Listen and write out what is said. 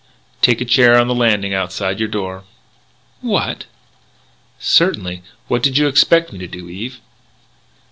"Take a chair on the landing outside your door." "What!" "Certainly. What did you expect me to do, Eve?"